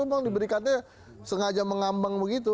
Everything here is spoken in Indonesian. memang diberikannya sengaja mengambang begitu